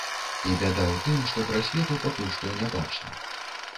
І бяда ў тым, што прасвету пакуль што не бачна.